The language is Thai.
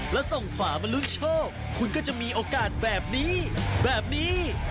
แล้วส่งฝามาลุ้นโชคคุณก็จะมีโอกาสแบบนี้แบบนี้